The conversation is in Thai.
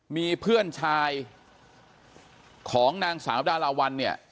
มีเพื่อนชายของนางสาวดาราวันเนี่ย